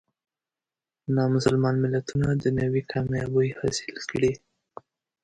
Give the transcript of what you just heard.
نامسلمان ملتونه دنیوي کامیابۍ حاصلې کړي.